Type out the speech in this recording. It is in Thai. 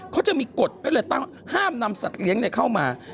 เขาจะมีกฎไว้เลยตั้งห้ามนำสัตว์เลี้ยงเข้ามา